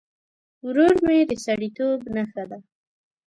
ورور د سړيتوب نښه ده.